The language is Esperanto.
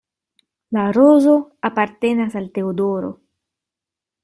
La rozo apartenas al Teodoro.